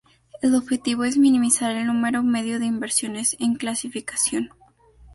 El objetivo es minimizar el número medio de inversiones en clasificación.